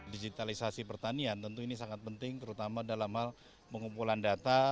digitalisasi pertanian tentu ini sangat penting terutama dalam hal pengumpulan data